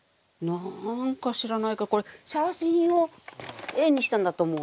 何か知らないけどこれ写真を絵にしたんだと思うよ。